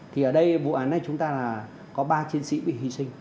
thì ở đây vụ án này chúng ta là có ba chiến sĩ bị hy sinh